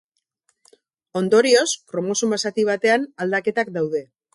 Ondorioz, kromosoma zati batean aldaketak daude.